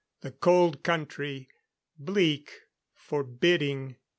The Cold Country. Bleak; forbidding.